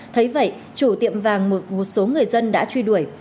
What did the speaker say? thấy vậy chủ tiệm vàng một số người dân đã truy đuổi